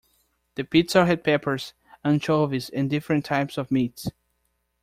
The pizza had peppers, anchovies, and different types of meats.